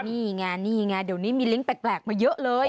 นี่ไงนี่ไงเดี๋ยวนี้มีลิงก์แปลกมาเยอะเลย